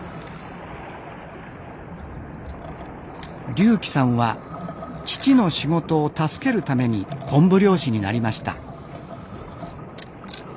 龍希さんは父の仕事を助けるために昆布漁師になりました。